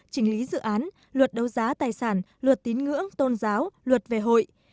chỉnh lý dự án luật đấu giá tài sản luật tín ngưỡng tôn giáo luật về hội